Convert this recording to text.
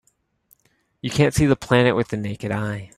You can't see the planet with the naked eye.